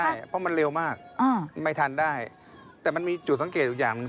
ใช่เพราะมันเร็วมากอ่าไม่ทันได้แต่มันมีจุดสังเกตอยู่อย่างหนึ่ง